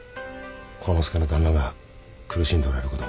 晃之助の旦那が苦しんでおられる事も。